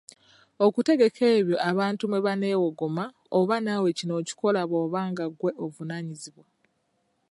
Okutegeka ebyo abantu mwe baneewogoma oba naawe kino okikola bw’oba nga ggwe ovunaanyizibwa.